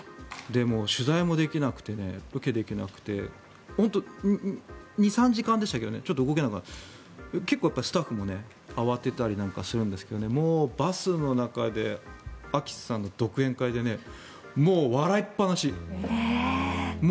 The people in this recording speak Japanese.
取材もできなくてロケできなくて本当２３時間でしたけどちょっと動けなくなって結構、スタッフも慌てたりなんかするんですけどもうバスの中であきさんの独演会でねもう笑いっぱなし。